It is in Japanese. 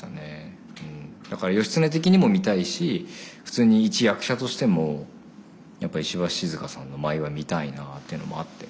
だから義経的にも見たいし普通に一役者としてもやっぱ石橋静河さんの舞は見たいなっていうのもあって。